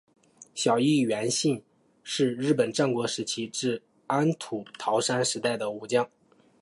小笠原信兴是日本战国时代至安土桃山时代的武将。